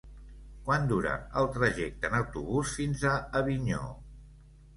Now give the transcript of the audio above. Quant dura el trajecte en autobús fins a Avinyó?